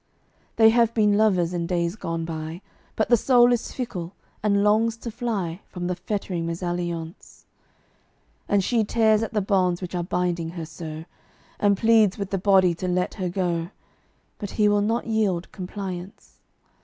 They have been lovers in days gone by; But the soul is fickle, and longs to fly From the fettering mesalliance: And she tears at the bonds which are binding her so, And pleads with the body to let her go, But he will not yield compliance.